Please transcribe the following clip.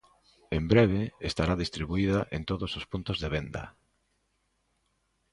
En breve, estará distribuída en todos os puntos de venda.